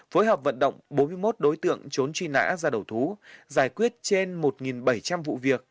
phối hợp vận động bốn mươi một đối tượng trốn truy nã ra đầu thú giải quyết trên một bảy trăm linh vụ việc